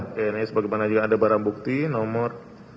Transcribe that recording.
tni sebagaimana juga ada barang bukti nomor